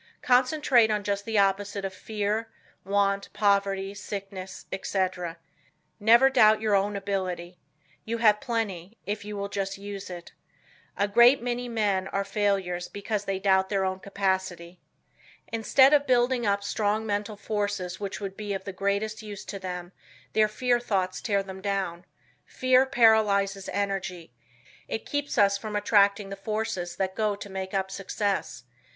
Concentrate on just the opposite of fear, want, poverty, sickness, etc. Never doubt your own ability. You have plenty, if you will just use it. A great many men are failures because they doubt their own capacity. Instead of building up strong mental forces which would be of the greatest use to them their fear thoughts tear them down. Fear paralyzes energy. It keeps us from attracting the forces that go to make up success.